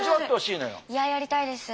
いややりたいです。